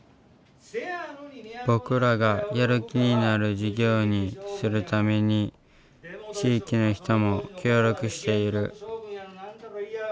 僕らがやる気になる授業にするために地域の人も協力している。